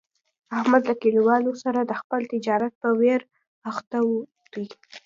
احمد له کلیوالو سره د خپل تجارت په ویر اخته دی.